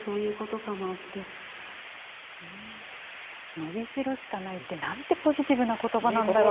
伸びしろしかないって、なんてポジティブなことばなんだろう。